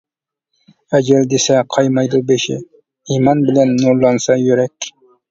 ئەجەل دېسە قايمايدۇ بېشى، ئىمان بىلەن نۇرلانسا يۈرەك.